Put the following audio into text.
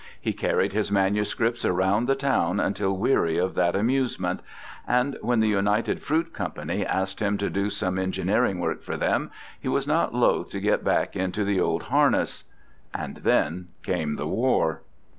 He carried his manuscripts around the town until weary of that amusement; and when the United Fruit Company asked him to do some engineering work for them he was not loath to get back into the old harness. And then came the war.